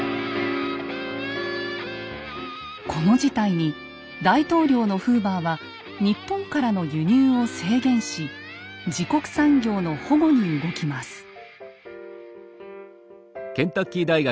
この事態に大統領のフーバーは日本からの輸入を制限し自国産業の保護に動きます。